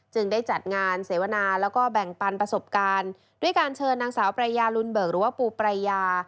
ได้จัดงานเสวนาแล้วก็แบ่งปันประสบการณ์ด้วยการเชิญนางสาวปรายยาลุนเบิกหรือว่าปูปรายา